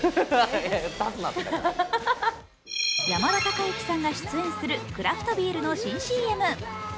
山田孝之さんが出演するクラフトビールの新ＣＭ。